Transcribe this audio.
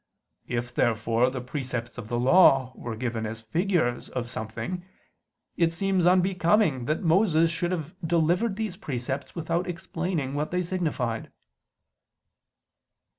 If therefore the precepts of the Law were given as figures of something, it seems unbecoming that Moses should have delivered these precepts without explaining what they signified.